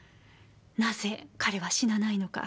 なぜ彼は死なないのか？